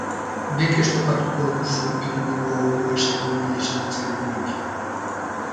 Nekez topatuko duzu inguru hau gu bezain ongi ezagutzen duenik.